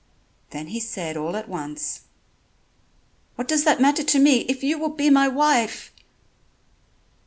Then he said all at once: "What does that matter to me, if you will be my wife!"